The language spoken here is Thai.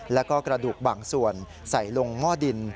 แล้วก็กระดูกบางส่วนใส่ลงหม้อดิน